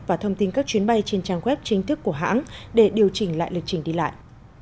và thông tin các chuyến bay trên trang web chính thức của hãng để điều chỉnh lại lịch trình đi lại